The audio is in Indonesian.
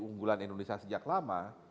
unggulan indonesia sejak lama